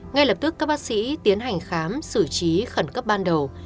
ngay lập tức các bác sĩ tiến hành khám xử trí khẩn cấp ban đầu